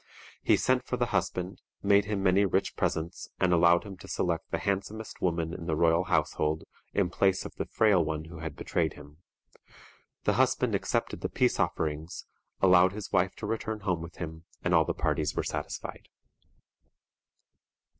He sent for the husband, made him many rich presents, and allowed him to select the handsomest woman in the royal household in place of the frail one who had betrayed him. The husband accepted the peace offerings, allowed his wife to return home with him, and all the parties were satisfied.